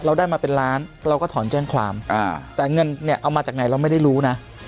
เราได้มาเป็นล้านเราก็ถอนแจ้งความแต่เงินเนี่ยเอามาจากไหนเราไม่ได้รู้นะ